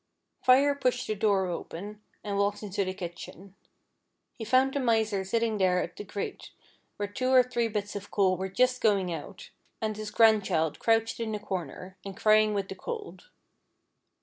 Fire pushed the door open, and walked into the kitchen. He found the Miser there sitting staring at the grate where two or three bits of coal were just going out, and his grandchild crouched in a corner, and crying with the cold.